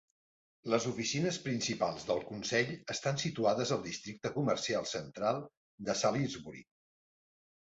Les oficines principals del consell estan situades al districte comercial central de Salisbury.